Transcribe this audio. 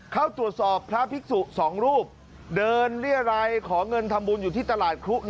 เข้าสอบพระพิกษุสองรูปเดินเรี่ยไรของเงินทำบวนอยู่ที่ตลาดครุกไหน